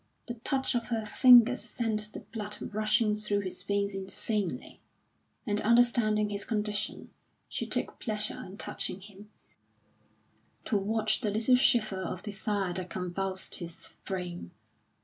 The touch of her fingers sent the blood rushing through his veins insanely; and understanding his condition, she took pleasure in touching him, to watch the little shiver of desire that convulsed his frame.